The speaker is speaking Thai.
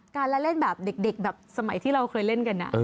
การละเล่นแบบเด็กแบบสมัยที่เราเคยเล่นกัน